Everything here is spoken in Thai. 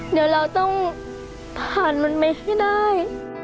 เดี๋ยวเราต้องผ่านมันไปให้ได้